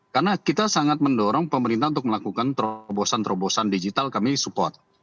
karena kita sangat mendorong pemerintah untuk melakukan terobosan terobosan digital kami support